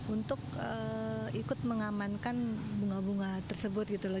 untuk ikut mengamankan bunga bunga tersebut gitu loh